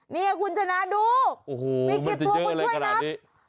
มีกี่ตัวคุณช่วยนะโอ้โหมันจะเยอะอะไรขนาดนี้